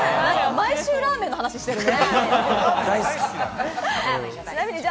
毎週、ラーメンの話してるね。